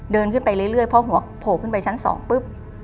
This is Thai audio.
เดินขึ้นไปเรื่อยเพราะหัวโผล่ขึ้นไปชั้น๒ปุ๊บ